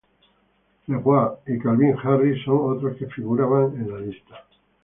La Roux y Calvin Harris son otros que figuraban en la lista.